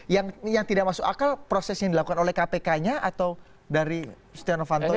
yang tidak masuk akal proses yang dilakukan oleh kpk nya atau dari setia novanto